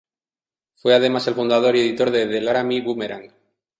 Fue además el fundador y editor de "The Laramie Boomerang".